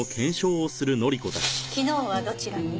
昨日はどちらに？